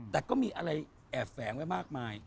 แต่ก็มีอะไรแอบแฝงไว้มากมาย